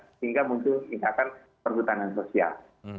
sehingga muntung misalkan perhutangan sosial